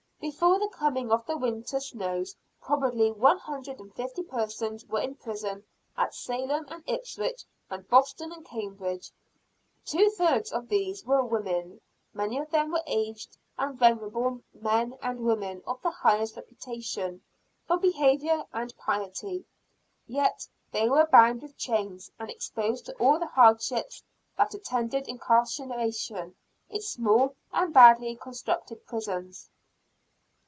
Before the coming of the winter snows probably one hundred and fifty persons were in prison at Salem and Ipswich and Boston and Cambridge. Two thirds of these were women; many of them were aged and venerable men and women of the highest reputation for behavior and piety. Yet, they were bound with chains, and exposed to all the hardships that attended incarceration in small and badly constructed prisons.